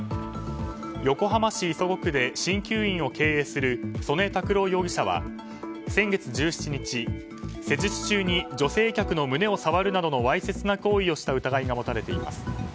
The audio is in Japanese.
横浜市磯子区で鍼灸院を経営する曽根拓朗容疑者は施術中に女性客の胸を触るなどのわいせつな行為をした疑いが持たれています。